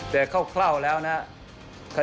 แต่คร่าวแล้วนะครับ